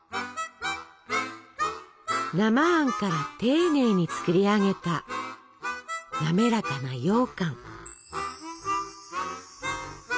生あんから丁寧に作り上げた滑らかなようかん。